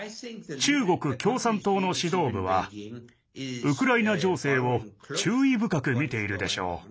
中国共産党の指導部はウクライナ情勢を注意深く見ているでしょう。